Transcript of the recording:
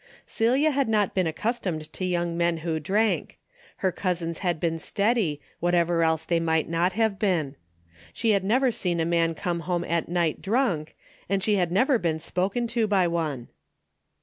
Celia had not been accustomed to young men wdio drank. Her cousins had been steady, whatever else they might not have been. She had never seen a man come home at night drunk, and she had never been spoken to by one.